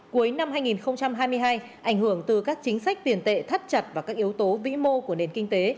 cuối năm hai nghìn hai mươi hai ảnh hưởng từ các chính sách tiền tệ thắt chặt và các yếu tố vĩ mô của nền kinh tế